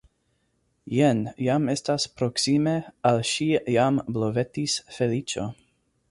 Jen jam estas proksime, al ŝi jam blovetis feliĉo.